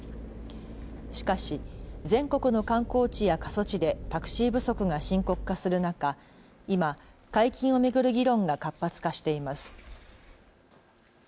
しかし全国の観光地や過疎地でタクシー不足が深刻化する中、今、解禁を巡る議論が活発化しています。